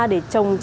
để trồng cây cần sa